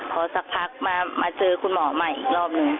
พอสักพักมาเจอคุณหมอใหม่อีกรอบหนึ่ง